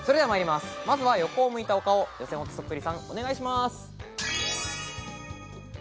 まずは横を向いたお顔、予選落ちそっくりさん、お願いします。